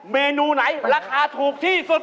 เมนูไหนราคาถูกที่สุด